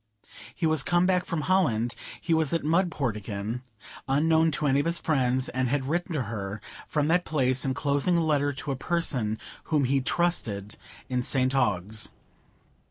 He was come back from Holland; he was at Mudport again, unknown to any of his friends, and had written to her from that place, enclosing the letter to a person whom he trusted in St Ogg's.